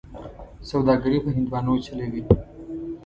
سوداګري په هندوانو چلوي.